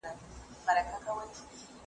ملا غاړي كړې تازه يو څه حيران سو ,